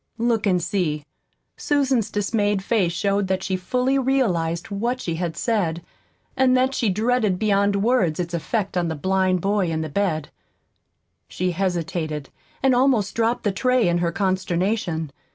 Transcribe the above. Look and see! Susan's dismayed face showed that she fully realized what she had said, and that she dreaded beyond words its effect on the blind boy in the bed. She hesitated, and almost dropped the tray in her consternation.